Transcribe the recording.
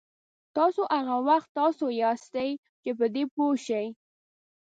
تاسو هغه وخت تاسو یاستئ چې په دې پوه شئ.